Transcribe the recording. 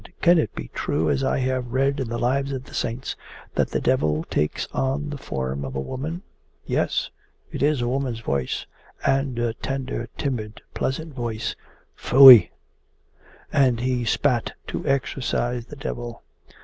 Can it be true, as I have read in the Lives of the Saints, that the devil takes on the form of a woman? Yes it is a woman's voice. And a tender, timid, pleasant voice. Phui!' And he spat to exorcise the devil.